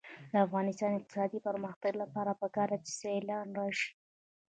د افغانستان د اقتصادي پرمختګ لپاره پکار ده چې سیلانیان راشي.